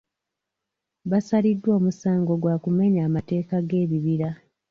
Basaliddwa omusango gwa kumenya mateeka g'ekibira.